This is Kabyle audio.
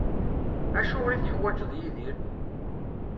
Acuɣer i teḥwaǧeḍ Yidir?